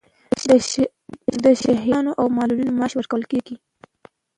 د شهیدانو او معلولینو معاش ورکول کیږي؟